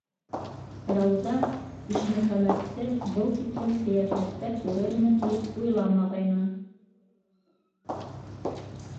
Рауза Ишмөхәмәтте был тиклем ҡиәфәттә күрермен тип уйламағайны.